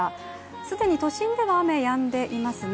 既に都心では雨、止んでいますね。